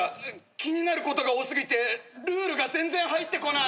気になることが多すぎてルールが全然入ってこない。